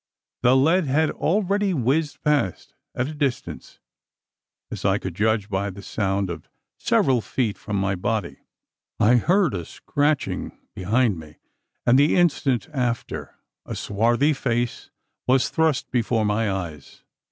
The lead had already whizzed past, at a distance as I could judge by the sound of several feet from my body. I heard a scratching behind me; and the instant after, a swarthy face was thrust before my eyes.